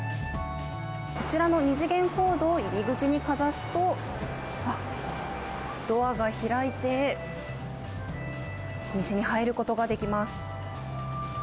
こちらの２次元コードを入り口にかざすと、あっ、ドアが開いて、店に入ることができます。